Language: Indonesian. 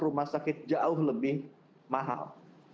rumah sakit jauh lebih mahal